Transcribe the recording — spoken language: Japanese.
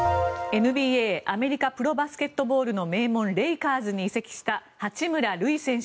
ＮＢＡ＝アメリカ・プロバスケットボールの名門レイカーズに移籍した八村塁選手。